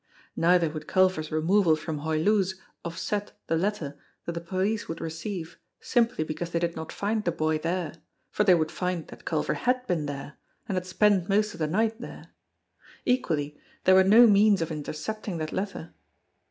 Neither would Culver's removal from Hoy Loo's offset the letter that the police would receive simply because they did not find the boy there, for they would find that Culver had been there, had spent most of the night there. Equally, there were no means of intercepting that letter.